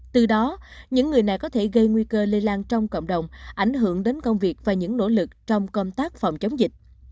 từ đó những người này có thể gây nguy cơ lây lan trong cộng đồng ảnh hưởng đến công việc và những nỗ lực trong công tác phòng chống dịch